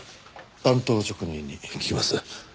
単刀直入に聞きます。